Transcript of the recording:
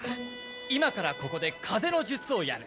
今からここで風の術をやる。